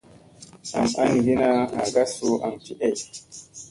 Nam angina agi ka su aŋ ci ey.